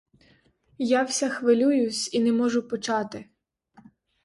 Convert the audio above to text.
Я вся хвилююсь і не можу почати.